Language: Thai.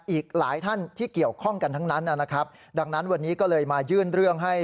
อีกหลายท่านที่เกี่ยวข้องกันทั้งนั้นนะครับดังนั้นวันนี้ก็เลยมายื่นเรื่องให้